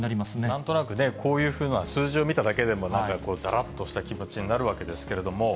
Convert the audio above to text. なんとなく、こういうふうな数字を見ただけでも、なんか、ざらっとした気持ちになるわけですけれども。